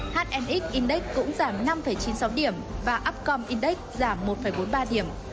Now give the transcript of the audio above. hnx index cũng giảm năm chín mươi sáu điểm và upcom index giảm một bốn mươi ba điểm